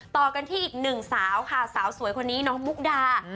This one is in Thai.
ต่อกันที่อีกหนึ่งสาวค่ะสาวสวยคนนี้น้องมุกดา